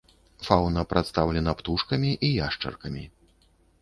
Фаўна прадстаўлена птушкамі і яшчаркамі.